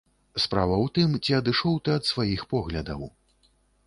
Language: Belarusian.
Справа ў тым, ці адышоў ты ад сваіх поглядаў.